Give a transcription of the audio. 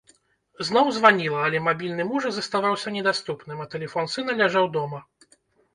Зноў званіла, але мабільны мужа заставаўся недаступным, а тэлефон сына ляжаў дома.